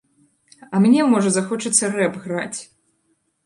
А мне, можа, захочацца рэп граць!